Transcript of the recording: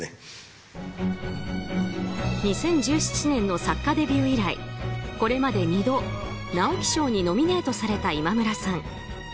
２０１７年の作家デビュー以来これまで２度直木賞にノミネートされた今村さん。